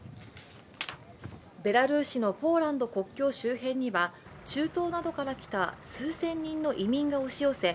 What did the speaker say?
ベラルーシのポーランド国境周辺には中東などから来た数千人の移民が押し寄せ